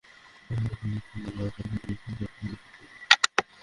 Attorney general Mahbubey Alam আশা করছেন, মীর কাসেমের সর্বোচ্চ সাজা বহাল থাকবে।